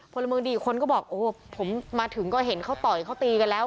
พลเมืองดีอีกคนก็บอกโอ้ผมมาถึงก็เห็นเขาต่อยเขาตีกันแล้ว